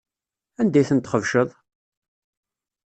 Anda ay ten-txebceḍ?